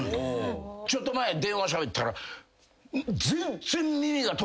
ちょっと前電話しゃべったら全然。